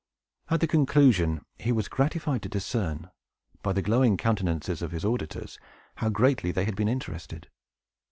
At the conclusion, he was gratified to discern, by the glowing countenances of his auditors, how greatly they had been interested.